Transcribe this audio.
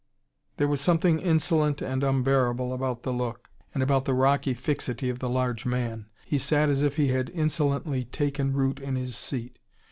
There was something insolent and unbearable about the look and about the rocky fixity of the large man. He sat as if he had insolently taken root in his seat.